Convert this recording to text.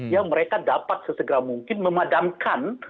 yang mereka dapat sesegera mungkin memadamkan